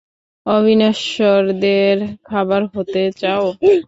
অবিনশ্বরদের খাবার হতে চাউ?